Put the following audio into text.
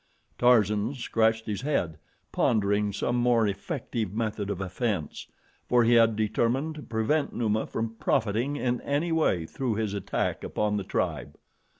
Tarzan scratched his head, pondering some more effective method of offense, for he had determined to prevent Numa from profiting in any way through his attack upon the tribe.